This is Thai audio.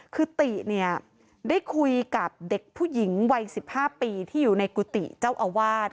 คือติเนี่ยได้คุยกับเด็กผู้หญิงวัย๑๕ปีที่อยู่ในกุฏิเจ้าอาวาส